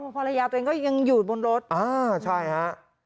ภรรยาตัวเองก็ยังอยู่บนรถอ่าใช่ฮะ